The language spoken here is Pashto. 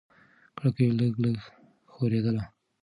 کړکۍ لږه لږه ښورېدله.